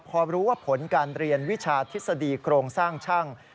พอรู้ว่าผลการเรียนวิชาทฤษฎีโครงสร้างช่าง